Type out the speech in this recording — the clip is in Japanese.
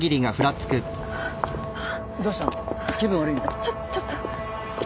ちょっちょっと。